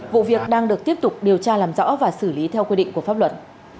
vụ việc đang được tiếp tục điều tra làm rõ và xử lý theo quy định của pháp luật